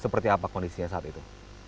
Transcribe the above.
seperti apa kondisinya saat itu